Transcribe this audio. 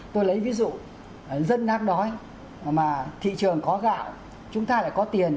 tôi lấy ví dụ dân đáng đói mà thị trường có gạo chúng ta lại có tiền